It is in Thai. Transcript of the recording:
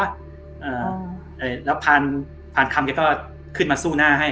อ่าเอ่อแล้วผ่านผ่านคำแกก็ขึ้นมาสู้หน้าให้